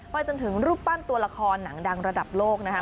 ไปจนถึงรูปปั้นตัวละครหนังระดับโลกนะฮะ